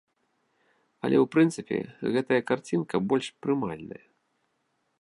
Але ў прынцыпе, гэтая карцінка больш прымальная.